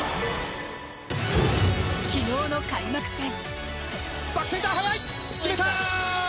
昨日の開幕戦。